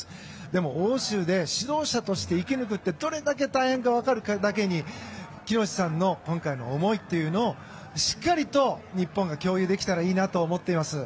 でも、欧州で指導者として生きることはどれだけ大変か分かるだけに喜熨斗さんの思いをしっかりと日本が共有できたらいいなと思っています。